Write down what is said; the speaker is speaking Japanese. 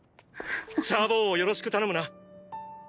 チャー坊をよろしく頼むな。